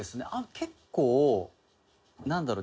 結構なんだろう？